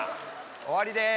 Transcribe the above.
終わりです。